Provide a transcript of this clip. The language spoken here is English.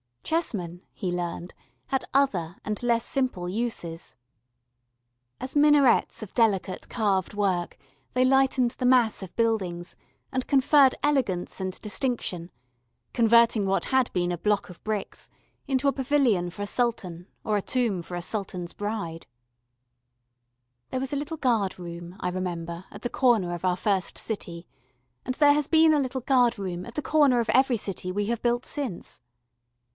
Chessmen, he learned, had other and less simple uses. As minarets of delicate carved work they lightened the mass of buildings and conferred elegance and distinction, converting what had been a block of bricks into a pavilion for a sultan or a tomb for a sultan's bride. [Illustration: MATERIALS FOR THE GUARD ROOM.] There was a little guard room, I remember, at the corner of our first city, and there has been a little guard room at the corner of every city we have built since.